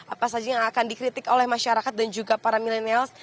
apa saja yang akan dikritik oleh masyarakat dan juga para milenials